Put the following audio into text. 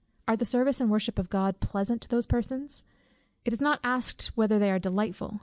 Are the service and worship of God pleasant to these persons? it is not asked whether they are delightful.